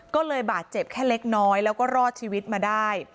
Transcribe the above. ก็เลยบาดเจ็บแค่เล็กน้อยแล้วก็รอดชีวิตมาได้